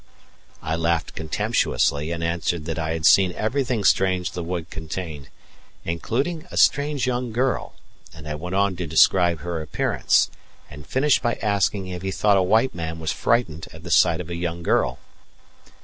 I laughed contemptuously and answered that I had seen everything strange the wood contained, including a strange young girl; and I went on to describe her appearance, and finished by asking if he thought a white man was frightened at the sight of a young girl.